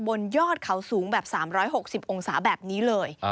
บนยอดเขาสูงแบบ๓๖๐องศาแบบนี้เลย